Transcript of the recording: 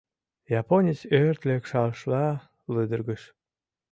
Японец ӧрт лекшашла лыдыргыш.